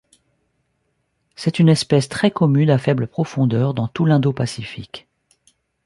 C'est une espèce très commune à faible profondeur dans tout l'Indo-Pacifique.